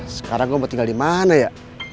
sekarang gue mau tinggal dimana ya